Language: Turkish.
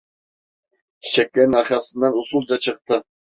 Çiçeklerin arkasından usulca çıktı.